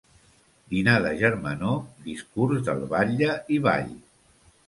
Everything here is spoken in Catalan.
Dinar de germanor, discurs del batlle i ball.